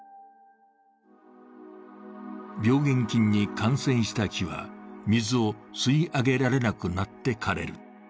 病原菌に感染した木は水を吸い上げられなくなって枯れる。